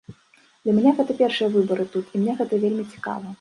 Для мяне гэта першыя выбары тут, і мне гэта вельмі цікава.